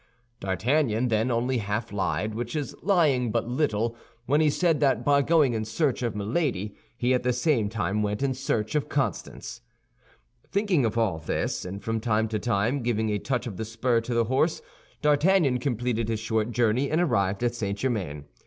D'Artagnan then only half lied, which is lying but little, when he said that by going in search of Milady he at the same time went in search of Constance. Thinking of all this, and from time to time giving a touch of the spur to his horse, D'Artagnan completed his short journey, and arrived at St. Germain.